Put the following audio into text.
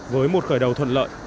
với một khởi đầu thuận lợi